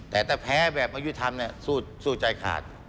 แต่ถ้าแพ้แบบอายุธรรมสู้ใจขาด